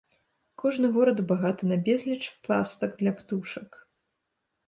Кожны горад багаты на безліч пастак для птушак.